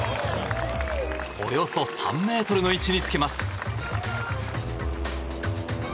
およそ３ｍの位置につけます。